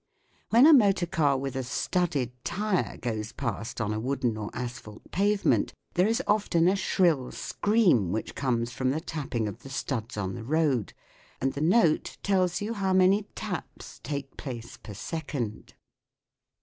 When a motor car with a studded tyre goes past on a wooden or asphalt pavement, there is often a shrill scream which comes from the tapping of the studs on the road, and the note t< lls you how many taps take place per second.